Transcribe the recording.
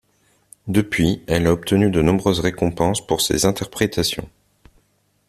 Depuis, elle a obtenu de nombreuses récompenses pour ses interprétations.